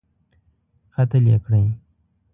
قتل یې کړی.